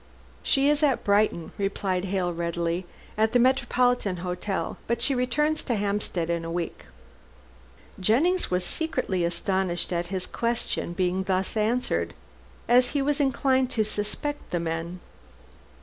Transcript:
"She is at Brighton," replied Hale readily, "at the Metropolitan Hotel, but she returns to Hampstead in a week." Jennings was secretly astonished at his question being thus answered, as he was inclined to suspect the men.